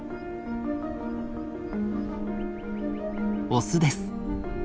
オスです。